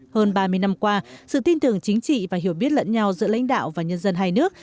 hơn ba mươi năm qua sự tin tưởng chính trị và hiểu biết lẫn nhau giữa lãnh đạo và nhân dân hai nước